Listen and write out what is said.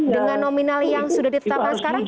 dengan nominal yang sudah ditetapkan sekarang cukup nggak